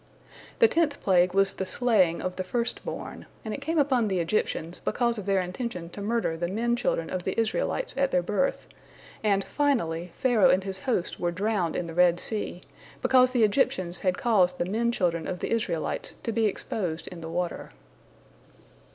The tenth plague was the slaying of the first born, and it came upon the Egyptians because of their intention to murder the men children of the Israelites at their birth, and, finally, Pharaoh and his host were drowned in the Red Sea, because the Egyptians had caused the men children of the Israelites to be exposed in the water.